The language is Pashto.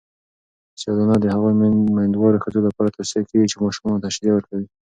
سیاه دانه د هغو میندوارو ښځو لپاره توصیه کیږي چې ماشومانو ته شیدې ورکوي.